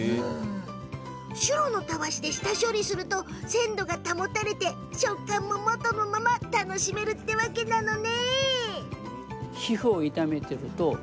シュロのたわしで下処理すると鮮度が保たれて食感も元のまま楽しめるというわけね。